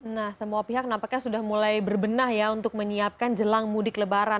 nah semua pihak nampaknya sudah mulai berbenah ya untuk menyiapkan jelang mudik lebaran